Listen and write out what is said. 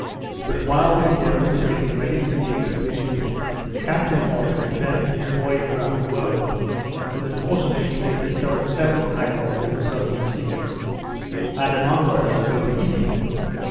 But while the Endeavour was getting ready for the expedition, Captain Wallis returned from his voyage round the world, in the course of which he had discovered several islands in the South Sea; and, amongst others, Otaheite.